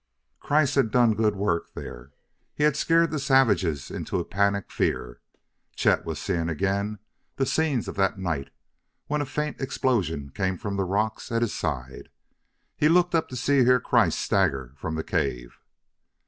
Kreiss had done good work there; he had scared the savages into a panic fear. Chet was seeing again the scenes of that night when a faint explosion came from the rocks at his side. He looked up to see Herr Kreiss stagger from the cave.